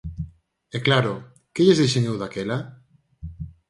E claro, ¿que lles dixen eu daquela?